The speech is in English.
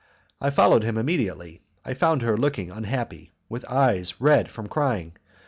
I followed him immediately. I found her looking unhappy and with eyes red from crying.